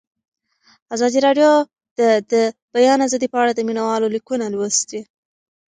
ازادي راډیو د د بیان آزادي په اړه د مینه والو لیکونه لوستي.